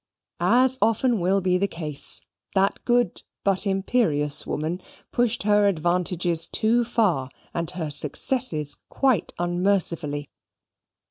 As often will be the case, that good but imperious woman pushed her advantages too far, and her successes quite unmercifully.